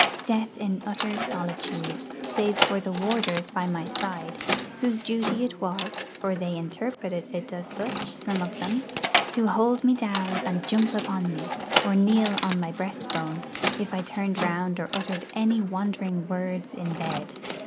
Death in utter solitude, save for the warders by my side, whose duty it was or they interpreted it as such, some of them to hold me down and jump upon me, or kneel on my breastbone, if I turned round or uttered any wandering words in bed.